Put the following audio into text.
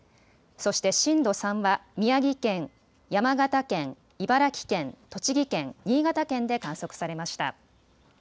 そして震度３は宮城県、山形県、茨城県、栃木県、新潟県で観測されました。